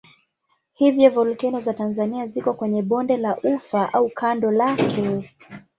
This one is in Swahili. Hivyo volkeno za Tanzania ziko kwenye bonde la Ufa au kando lake.